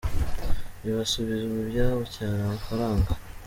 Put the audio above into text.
ntibasubizwa ibyabo cyane amafaranga.